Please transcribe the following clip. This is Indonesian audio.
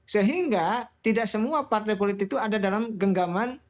sehingga tidak semua partai politik itu ada dalam genggaman